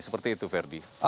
seperti itu ferdi